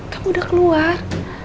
kamu udah keluar